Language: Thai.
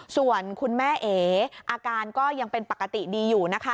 ส่วนคุณแม่เอ๋อาการก็ยังเป็นปกติดีอยู่นะคะ